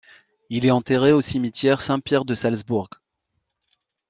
Il est enterré au cimetière Saint-Pierre de Salzbourg.